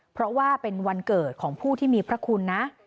เพราะว่าเป็นวันเกิดของผู้ที่มีพระคุณนะ